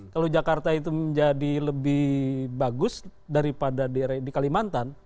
kalau jakarta itu menjadi lebih bagus daripada di kalimantan